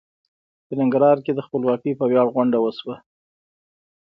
په ننګرهار کې د خپلواکۍ په وياړ غونډه وشوه.